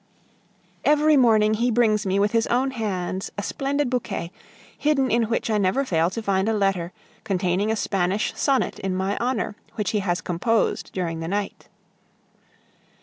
Every morning he brings me with his own hands a splendid bouquet, hidden in which I never fail to find a letter, containing a Spanish sonnet in my honor, which he has composed during the night.